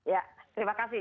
ya terima kasih